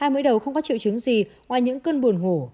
hai mũi đầu không có triệu chứng gì ngoài những cơn buồn ngủ